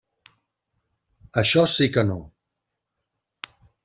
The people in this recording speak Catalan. Això sí que no.